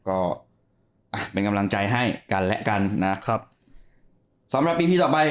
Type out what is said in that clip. ก็อ่ะเป็นกำลังใจให้กันและกันนะครับสำหรับปีพีต่อไป